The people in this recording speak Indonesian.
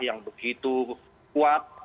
yang begitu kuat